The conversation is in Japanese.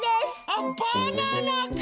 あバナナか！